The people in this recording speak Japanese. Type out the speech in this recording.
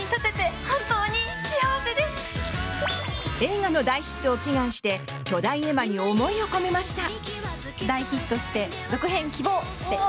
映画の大ヒットを祈願して巨大絵馬に思いを込めました。